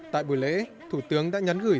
tại buổi lễ thủ tướng đã nhắn gửi